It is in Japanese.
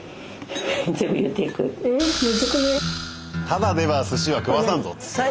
ただでは寿司は食わさんぞっつって。